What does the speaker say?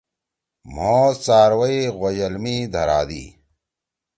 مھو څاروئی غویَل می دھرادی۔